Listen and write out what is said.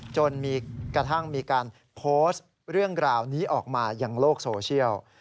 จนกระทั่งมีการโพสต์เรื่องราวนี้ออกมาอย่างโลกโซเชียล